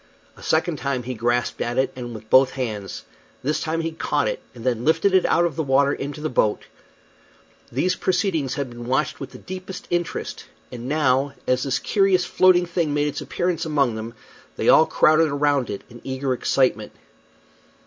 A second time he grasped at it, and with both hands. This time he caught it, and then lifted it out of the water into the boat. These proceedings had been watched with the deepest interest; and now, as this curious floating thing made its appearance among them, they all crowded around it in eager excitement.